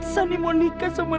sani mau nikah sama dia